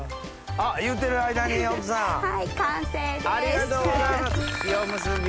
ありがとうございます塩むすび。